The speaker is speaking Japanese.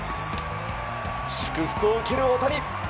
祝福を受ける大谷。